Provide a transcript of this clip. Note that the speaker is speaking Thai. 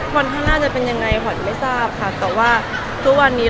ฝันตัวมันก็เรื่องมันจะแรงไปกว่านี้